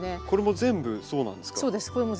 これも全部そうなんですか？